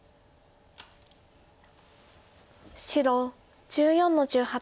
白１４の十八。